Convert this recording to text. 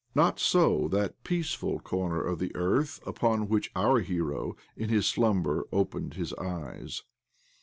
Not so that peaceful corner of the earth upon which our hero, in his slumber, opened his eyes.